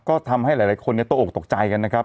ก็ทำให้หลายคนตกออกตกใจกันนะครับ